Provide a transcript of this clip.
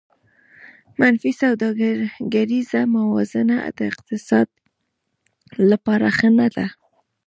منفي سوداګریزه موازنه د اقتصاد لپاره ښه نه ده